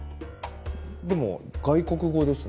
でも外国語ですね。